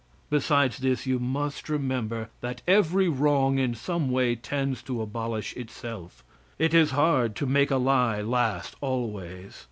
Besides this, you must remember that every wrong in some way, tends to abolish itself. It is hard to make a lie last always.